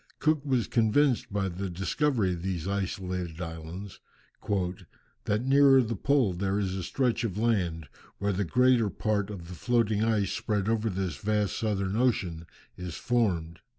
Cook was convinced by the discovery of these isolated islands "that near the pole there is a stretch of land, where the greater part of the floating ice spread over this vast southern ocean is formed."